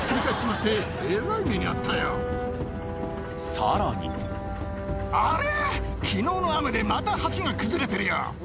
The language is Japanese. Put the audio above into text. さらにあれ